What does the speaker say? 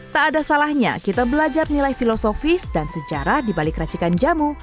tak ada salahnya kita belajar nilai filosofis dan sejarah di balik racikan jamu